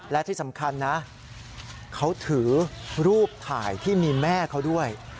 และที่สำคัญนะเขาถือรูปถ่ายที่มีแม่เขาด้วย